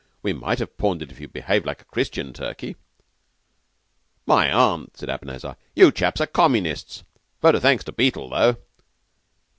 We might have pawned it if you'd behaved like a Christian, Turkey." "My Aunt!" said Abanazar, "you chaps are communists. Vote of thanks to Beetle, though."